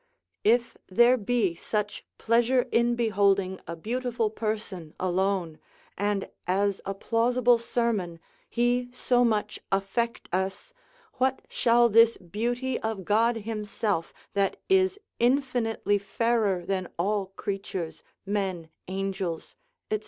If there be such pleasure in beholding a beautiful person alone, and as a plausible sermon, he so much affect us, what shall this beauty of God himself, that is infinitely fairer than all creatures, men, angels, &c.